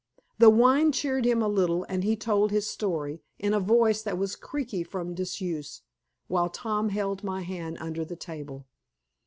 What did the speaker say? The wine cheered him a little, and he told his story, in a voice that was creaky from disuse, while Tom held my hand under the table.